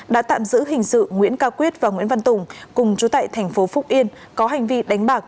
đã tạm giữ hình sự nguyễn cao quyết và nguyễn văn tùng cùng chú tại thành phố phúc yên có hành vi đánh bạc